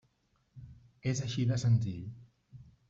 És així de senzill.